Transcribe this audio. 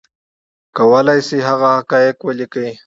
کولی شي هغه حقایق ولیکي